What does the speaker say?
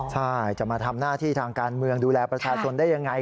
ใช่จะมาทำหน้าที่ทางการเมืองดูแลประชาชนได้ยังไง